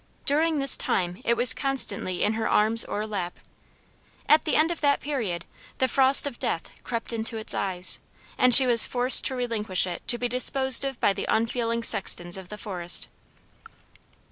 During this time it was constantly in her arms or lap. At the end of that period, the frost of death crept into its eyes, and she was forced to relinquish it to be disposed of by the unfeeling sextons of the forest.